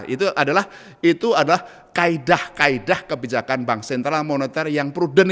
itu adalah kaedah kaedah kebijakan bank sentral moneter yang prudent